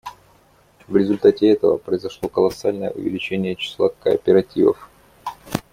В результате этого произошло колоссальное увеличение числа кооперативов.